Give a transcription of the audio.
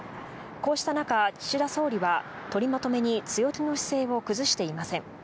こうした中、岸田総理は取りまとめに強気の姿勢を崩していません。